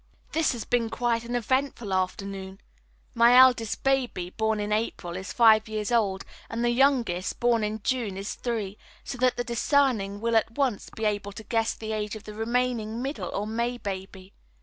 This has been quite an eventful afternoon. My eldest baby, born in April, is five years old, and the youngest, born in June, is three; so that the discerning will at once be able to guess the age of the remaining middle or May baby.